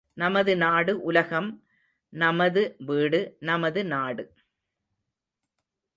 நமது நாடு உலகம் நமது வீடு, நமது நாடு.